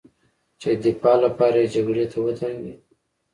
چې د دفاع لپاره یې جګړې ته ودانګي